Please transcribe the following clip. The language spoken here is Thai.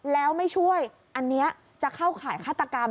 แล้วไม่ช่วยอันนี้จะเข้าข่ายฆาตกรรม